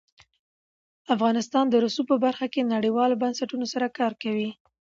افغانستان د رسوب په برخه کې نړیوالو بنسټونو سره کار کوي.